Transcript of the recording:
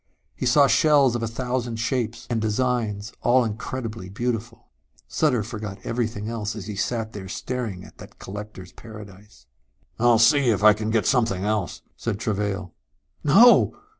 He saw shells of a thousand shapes and designs, all incredibly beautiful.... Sutter forgot everything else as he sat there staring at that collector's paradise. "I'll see if I can get something else," said Travail. "No!"